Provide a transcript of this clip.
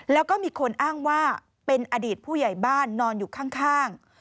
แล้วก็มีคนอ้างว่าเป็นอดีตผู้ใหญ่บ้านนอนอยู่ข้าง